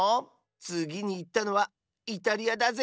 つぎにいったのはイタリアだぜ。